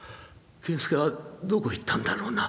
源助はどこ行ったんだろうな？